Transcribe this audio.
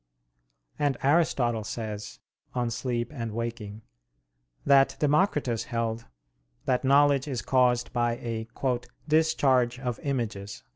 And Aristotle says (De Somn. et Vigil.) that Democritus held that knowledge is caused by a "discharge of images."